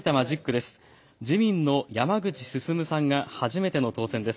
自民の山口晋さんが初めての当選です。